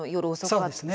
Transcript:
そうですね。